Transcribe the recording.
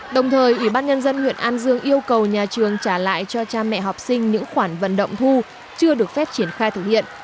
đồng thời ubnd huyện an dương yêu cầu nhà trường trả lại cho cha mẹ học sinh những khoản vận động thu chưa được phép triển khai thực hiện